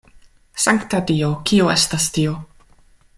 Sankta Dio, kio estas tio?